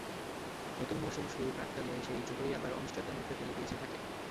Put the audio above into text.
নতুন মৌসুম শুরুর প্রাক্কালে সেই চোটই আবার অনিশ্চয়তার মুখে ফেলে দিয়েছে তাঁকে।